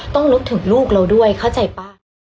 ต้องนึกถึงลูกเราด้วยเข้าใจป่ะ